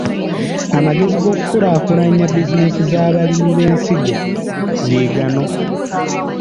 Amagezi g’okukulaakulanya bizinensi z’abalimi b’ensigo ge gano.